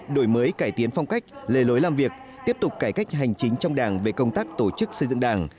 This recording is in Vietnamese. đổi mới cải tiến phong cách lề lối làm việc tiếp tục cải cách hành chính trong đảng về công tác tổ chức xây dựng đảng